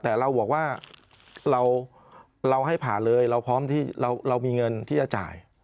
แต่เราบอกว่าเราให้ผ่านเลยเราพร้อมที่เรามีเงินที่จะจ่าย